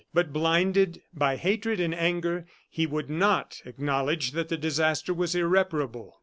But, blinded by hatred and anger, he would not acknowledge that the disaster was irreparable.